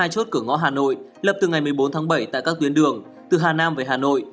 hai chốt cửa ngõ hà nội lập từ ngày một mươi bốn tháng bảy tại các tuyến đường từ hà nam về hà nội